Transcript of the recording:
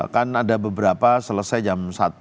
kan ada beberapa selesai jam satu